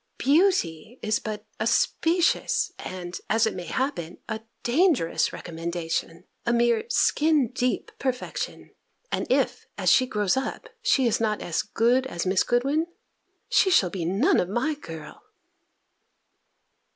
Beauty is but a specious, and, as it may happen, a dangerous recommendation, a mere skin deep perfection; and if, as she grows up, she is not as good as Miss Goodwin, she shall be none of my girl."